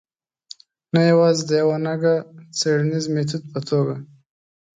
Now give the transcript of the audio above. نه یوازې د یوه نګه څېړنیز میتود په توګه.